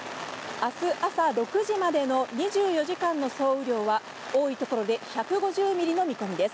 明日朝６時までの２４時間の総雨量は多いところで１５０ミリの見込みです。